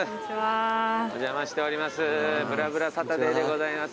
お邪魔しております。